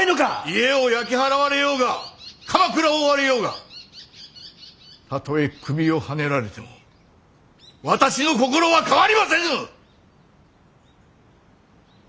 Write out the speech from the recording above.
家を焼き払われようが鎌倉を追われようがたとえ首をはねられても私の心は変わりませぬ！